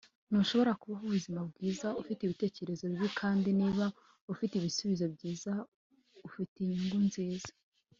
ntushobora kubaho ubuzima bwiza ufite ibitekerezo bibi kandi niba ufite ibisubizo byiza ufite inyungu nziza